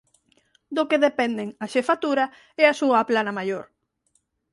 Do que dependen a Xefatura e a súa Plana Maior.